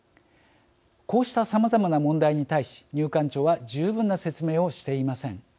こうしたさまざまな問題に対し入管庁は十分な説明をしていません。